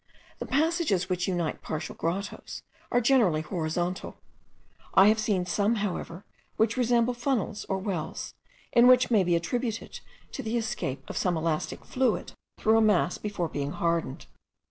The passages which unite partial grottoes, are generally horizontal. I have seen some, however, which resemble funnels or wells, and which may be attributed to the escape of some elastic fluid through a mass before being hardened.